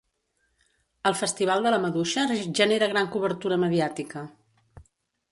El Festival de la Maduixa genera gran cobertura mediàtica.